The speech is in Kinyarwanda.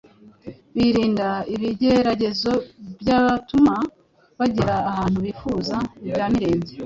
Birinda ibigeragezo byatuma bagera ahantu bifuza ibya mirenge